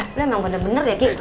lu emang bener bener ya kiki